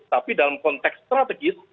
tapi dalam konteks strategis